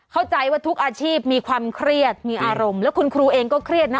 เข้าใจว่าทุกอาชีพมีความเครียดมีอารมณ์แล้วคุณครูเองก็เครียดนะ